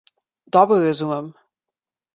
Dobro razumem.